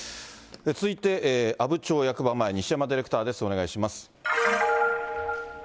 続いて、阿武町役場前、西山ディレクターです、お願いします。